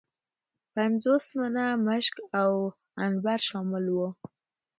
پنځوس منه مشک او عنبر شامل وه.